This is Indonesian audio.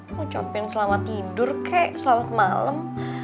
ngocotin selamat tidur kek selamat malem